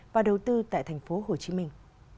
và đầu tư tại thành phố hồ chí minh